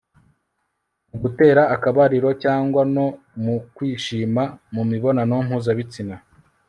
mu gutera akabariro cyangwa no mu kwishima mu mibonano mpuzabitsina